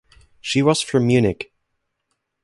She was from Munich.